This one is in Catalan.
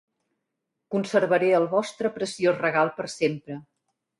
Conservaré el vostre preciós regal per sempre.